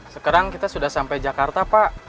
sekarang kita sudah sampai jakarta pak